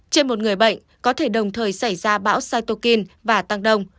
trên một người bệnh có thể đồng thời xảy ra bão satokin và tăng đông